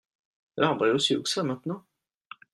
L'arbre est aussi haut que ça maintenant.